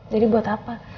jadi buat apa